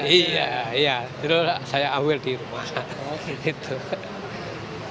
iya iya terus saya ambil di rumah